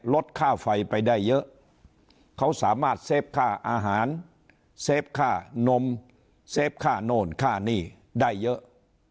ลดค่าไฟไปได้เยอะเขาสามารถเซฟค่าอาหารเซฟค่านมเซฟค่าโน่นค่านี่ได้เยอะ